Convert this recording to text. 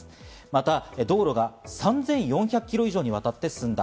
また道路が３４００キロ以上にわたって寸断。